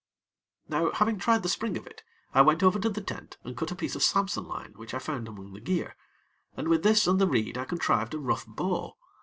Now, having tried the spring of it, I went over to the tent and cut a piece of sampsonline which I found among the gear, and with this and the reed I contrived a rough bow.